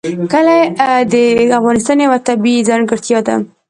کلي د افغانستان یوه طبیعي ځانګړتیا ده.